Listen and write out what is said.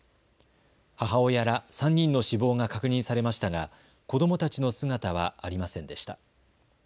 母親ら３人の死亡が確認されましたが子どもたちの姿はありませんでした。